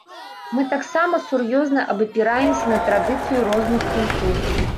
Мы таксама сур'ёзна абапіраемся на традыцыю розных культур.